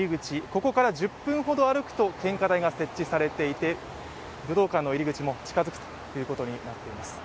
ここから１０分ほど歩くと献花台が設置されていて、武道館の入り口も近づくということになっています。